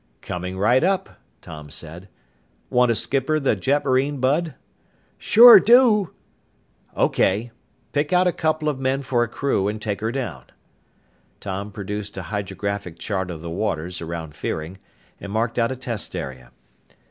"Coming right up," Tom said. "Want to skipper the jetmarine, Bud?" "Sure do!" "Okay. Pick out a couple of men for a crew and take her down." Tom produced a hydrographic chart of the waters around Fearing and marked out a test area.